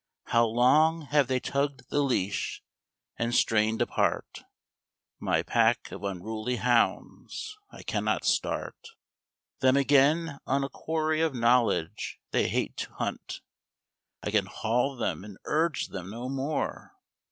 How long have they tugged the leash, and strained apart My pack of unruly hounds: I cannot start Them again on a quarry of knowledge they hate to hunt, I can haul them and urge them no more.